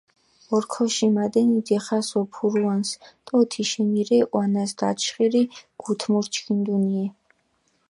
ორქოში მადენი დიხას ოფურუანს დო თიშენი რე ჸვანას დაჩხირი გუთმურჩქინდუნიე.